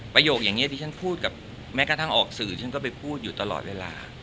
ประโยคอย่างนี้ที่ฉันพูดกับแม้กระทั่งออกสื่อฉันก็ไปพูดอยู่ตลอดเวลา